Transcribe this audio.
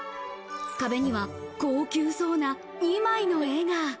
壁には高級そうな２枚の絵が。